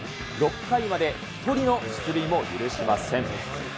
６回まで１人の出塁も許しません。